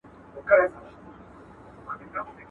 سُر به په خپل تار کي زیندۍ وي شرنګ به نه مستوي.